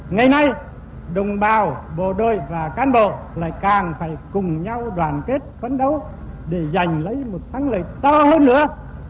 ngày nay đồng bào bộ đội và cán bộ lại càng phải cùng nhau đoàn kết phấn đấu để giành lấy một thắng lợi to hơn nữa